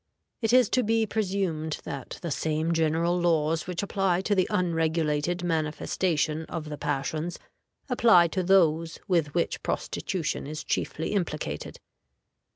It is to be presumed that the same general laws which apply to the unregulated manifestation of the passions apply to those with which prostitution is chiefly implicated.